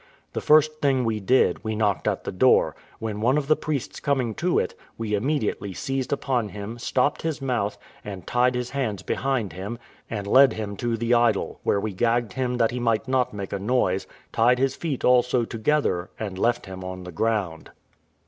The first thing we did, we knocked at the door, when one of the priests coming to it, we immediately seized upon him, stopped his mouth, and tied his hands behind him, and led him to the idol, where we gagged him that he might not make a noise, tied his feet also together, and left him on the ground.